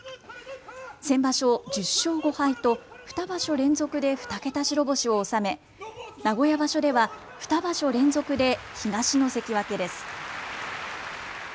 先場所、１０勝５敗と２場所連続で２桁白星を収め名古屋場所では２場所連続で東の関脇です。